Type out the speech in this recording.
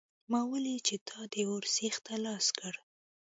ما ولیدل چې تا د اور سیخ ته لاس کړ